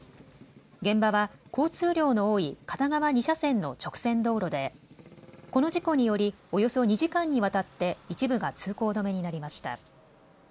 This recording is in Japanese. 現場は交通量の多い片側２車線の直線道路でこの事故により、およそ２時間にわたって一部が通行止めになりました。